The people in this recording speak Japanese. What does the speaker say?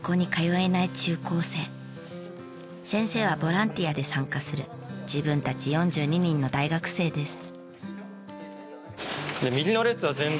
先生はボランティアで参加する自分たち４２人の大学生です。